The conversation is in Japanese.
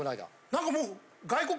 何かもう。